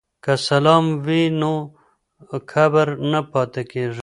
که سلام وي نو کبر نه پاتیږي.